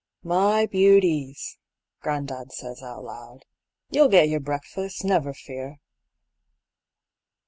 "My beauties," gran'dad says out loud, "You'll get your breakfasts, never fear."